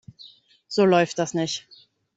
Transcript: So läuft das nicht.